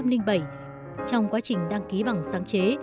tuy nhiên năm một nghìn chín trăm linh bảy trong quá trình đăng ký bằng sáng chế